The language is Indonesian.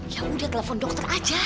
ya udah telepon dokter aja